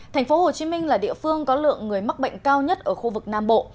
thành phố hồ chí minh là địa phương có lượng người mắc bệnh cao nhất ở khu vực nam bộ